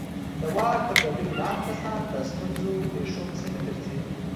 د واک پر ګدۍ ناست کسان د ستونزې ریښو پسې نه ځي.